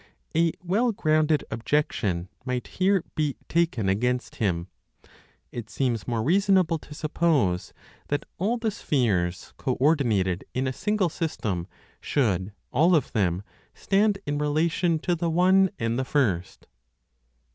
A well grounded objection might here be taken against him. It seems more reasonable to suppose that all the spheres co ordinated in a single system should, all of them, stand in relation to the One and the First.